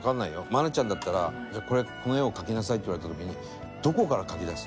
愛菜ちゃんだったら「この絵を描きなさい」って言われた時にどこから描きだす？